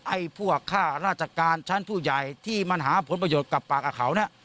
ไอ้พวกค่าราชการชั้นผู้ใหญ่ที่มันหาผลประโยชน์กับปากกับเขาเนี่ย